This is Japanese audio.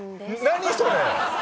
何それ？